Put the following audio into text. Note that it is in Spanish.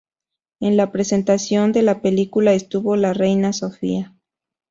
En la presentación de la película estuvo la reina Sofía.